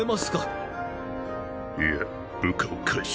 いや部下を帰す。